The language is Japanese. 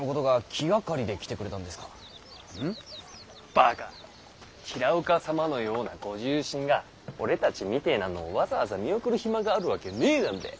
バカ平岡様のようなご重臣が俺たちみてぇなのをわざわざ見送る暇があるわけねぇだんべぇ。